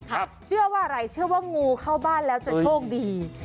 เชื่อว่าอะไรเชื่อว่างูเข้าบ้านแล้วจะโชคดี